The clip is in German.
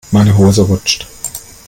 Meine Hose rutscht.